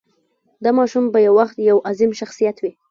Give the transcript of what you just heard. دا ماشوم به یو وخت یو عظیم شخصیت وي.